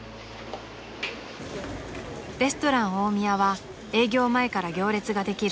［レストラン大宮は営業前から行列ができる人気店］